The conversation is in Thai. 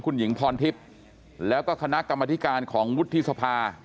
คุณหญิงพรทิพย์แล้วก็คณะกรรมธิการของวุฒิสภา